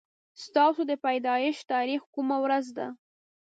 ستاسو د پيدايښت تاريخ کومه ورځ ده